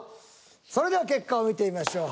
それでは結果を見てみましょう。